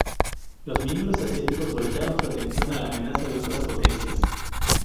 Los miembros asiáticos volcaron su atención a la amenaza de otras potencias.